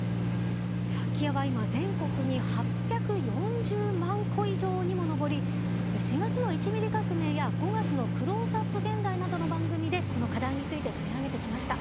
空き家は今全国に８４０万戸以上にも上り４月の「１ミリ革命」や５月の「クローズアップ現代」などの番組でこの課題について取り上げてきました。